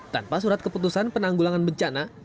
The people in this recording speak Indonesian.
tanpa surat keputusan penanggulangan bencana